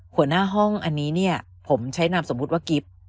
หัวหน้าห้องอันนี้เนี่ยผมใช้นามสมมุติว่ากิฟต์